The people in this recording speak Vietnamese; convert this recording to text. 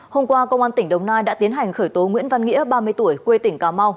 hôm qua công an tỉnh đồng nai đã tiến hành khởi tố nguyễn văn nghĩa ba mươi tuổi quê tỉnh cà mau